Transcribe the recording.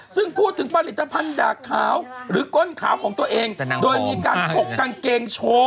ซึ่งพูดถึงผลิตภัณฑ์ดากขาวหรือก้นขาวของตัวเองโดยมีการถกกางเกงโชว์